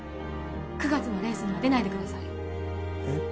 ９月のレースには出ないでくださいえっ？